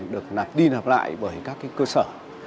được nạp đi nạp lại bởi các cái cơ sở